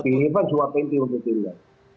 tapi irfan semua penting untuk dirinya